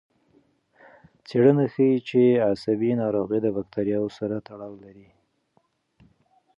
څېړنه ښيي چې عصبي ناروغۍ د بکتریاوو سره تړاو لري.